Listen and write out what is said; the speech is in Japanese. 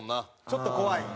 ちょっと怖い？